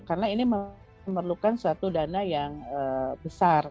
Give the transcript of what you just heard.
karena ini memerlukan suatu dana yang besar